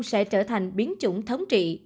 sẽ trở thành biến chủng thống trị